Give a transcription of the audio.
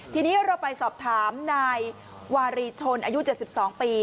ทีนี้เราไปสอบถามนายวารีชนอายุ๗๒ปี